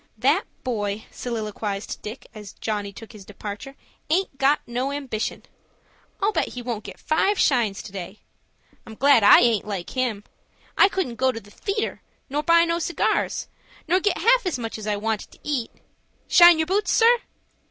"That boy," soliloquized Dick, as Johnny took his departure, "aint got no ambition. I'll bet he won't get five shines to day. I'm glad I aint like him. I couldn't go to the theatre, nor buy no cigars, nor get half as much as I wanted to eat.—Shine yer boots, sir?"